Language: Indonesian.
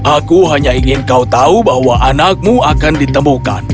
aku hanya ingin kau tahu bahwa anakmu akan ditemukan